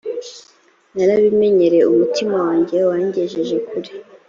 ntarabimenya umutima wanjye wangejeje kure